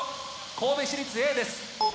神戸市立Ａです。